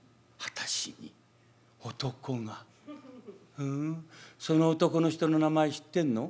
ふんその男の人の名前知ってんの？